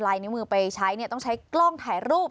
นิ้วมือไปใช้เนี่ยต้องใช้กล้องถ่ายรูป